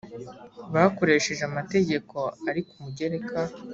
bakoresheje amategeko ari ku mugereka